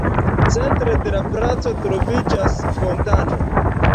Centre de la placo troviĝas fontano.